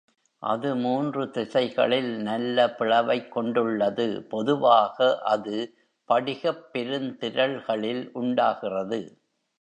அது மூன்று திசைகளில் நல்ல பிளவைக் கொண்டுள்ளது, பொதுவாக அது படிகப் பெருந்திரள்களில் உண்டாகிறது.